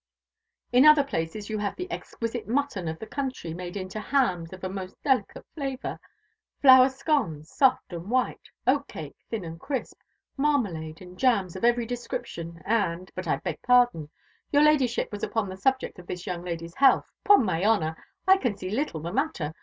In other places you have the exquisite mutton of the country made into hams of a most delicate flavour; flour scones, soft and white; oatcake, thin and crisp; marmalade and jams of every description; and but I beg pardon your Ladyship was upon the subject of this young lady's health. 'Pon my honour! I can see little the matter.